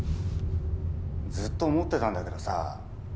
ずっと思ってたんだけどさぁ。